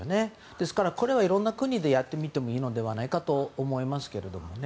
ですからこれはいろんな国でやってみてもいいのではないかと思いますけどね。